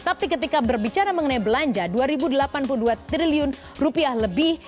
tapi ketika berbicara mengenai belanja dua ribu delapan puluh dua triliun rupiah lebih